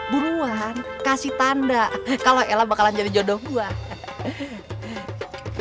buruan kasih tanda kalau ella bakalan jadi jodoh gue